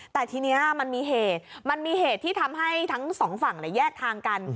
แต่ทีนี้มันมีเหตุมันมีเหตุที่ทำให้ทั้งสองฝั่งแยกทางกัน